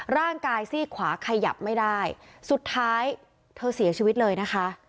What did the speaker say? ร่างกายซี่ขวาขยับไม่ได้สุดท้ายเธอเสียชีวิตเลยนะคะ